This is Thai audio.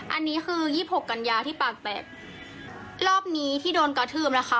อันนี้คือยี่สิบหกกันยาที่ปากแปดรอบนี้ที่โดนกระทืบนะคะ